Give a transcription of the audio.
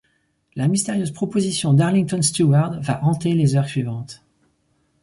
La mystérieuse proposition d’Arlington Steward va hanter les heures suivantes.